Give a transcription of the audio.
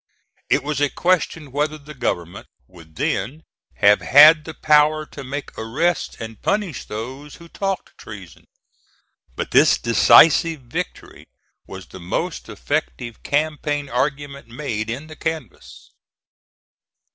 It was a question whether the government would then have had the power to make arrests and punish those who talked treason. But this decisive victory was the most effective campaign argument made in the canvass.